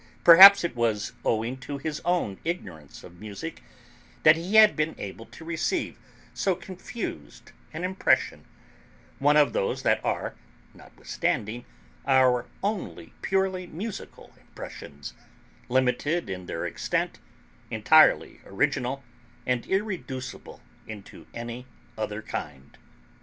Perhaps it was owing to his own ignorance of music that he had been able to receive so confused an impression, one of those that are, notwithstanding, our only purely musical impressions, limited in their extent, entirely original, and irreducible into any other kind.